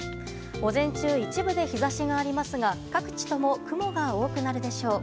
午前中一部で日差しはありますが各地とも雲が多くなるでしょう。